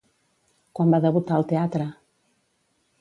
Quan va debutar al teatre?